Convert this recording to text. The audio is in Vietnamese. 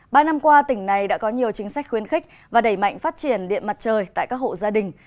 ba năm qua tỉnh này đã có nhiều chính sách khuyến khích và đẩy mạnh phát triển điện mặt trời tại các hộ gia đình